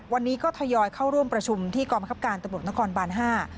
วันนี้ก็ทยอยเข้าร่วมประชุมที่กองบังคับการตำรวจนครบานห้า